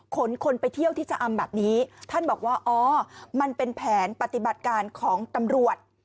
คนคนไปเที่ยวที่ชะอำแบบนี้ท่านบอกว่าอ๋อมันเป็นแผนปฏิบัติการของตำรวจ